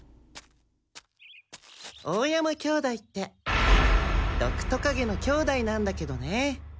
大山兄弟って毒トカゲの兄弟なんだけどね。